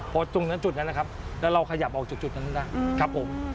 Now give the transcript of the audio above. พอจุดนั้นเราขยับออกจุดนั้นได้